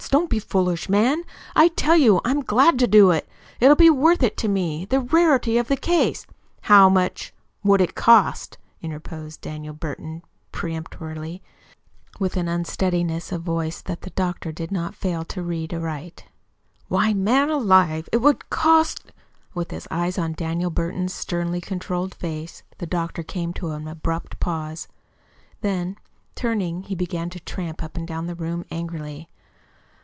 Don't be foolish, man. I tell you I'm glad to do it. It'll be worth it to me the rarity of the case " "How much would it cost?" interposed Daniel Burton peremptorily, with an unsteadiness of voice that the doctor did not fail to read aright. "Why, man, alive, it would cost " With his eyes on Daniel Burton's sternly controlled face, the doctor came to an abrupt pause. Then, turning, he began to tramp up and down the room angrily.